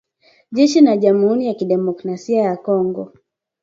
Jeshi la jamhuri ya kidemokrasia ya Kongo